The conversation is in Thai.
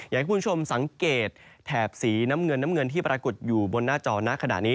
อยากให้คุณผู้ชมสังเกตแถบสีน้ำเงินน้ำเงินที่ปรากฏอยู่บนหน้าจอนะขณะนี้